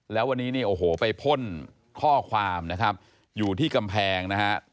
แล้ววันนี้โอ้โหไปพ่นข้อความอยู่ที่กำแพง